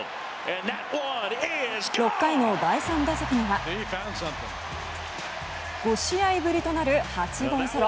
６回の第３打席には５試合ぶりとなる８号ソロ。